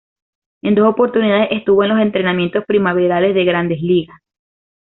En dos oportunidades estuvo en los entrenamientos primaverales de Grandes Ligas.